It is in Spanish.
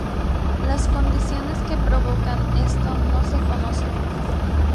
Las condiciones que provocan esto no se conocen.